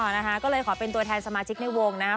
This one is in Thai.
นะคะก็เลยขอเป็นตัวแทนสมาชิกในวงนะคะ